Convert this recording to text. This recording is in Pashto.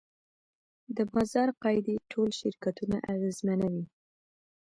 د بازار قاعدې ټول شرکتونه اغېزمنوي.